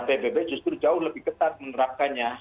pbb justru jauh lebih ketat menerapkannya